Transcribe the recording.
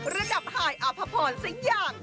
ระดับหายอาภพรสักอย่าง